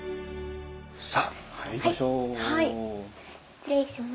さあ入りましょう。